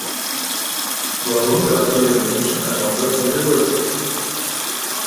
Warum gratulieren Menschen einander zum Geburtstag?